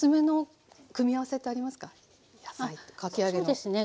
そうですね